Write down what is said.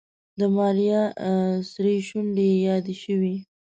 د ماريا سرې شونډې يې يادې شوې.